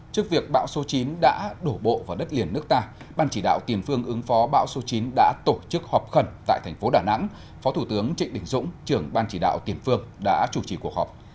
trước việc bão số chín đã đổ bộ vào đất liền nước ta ban chỉ đạo tiền phương ứng phó bão số chín đã tổ chức họp khẩn tại thành phố đà nẵng phó thủ tướng trịnh đình dũng trưởng ban chỉ đạo tiền phương đã chủ trì cuộc họp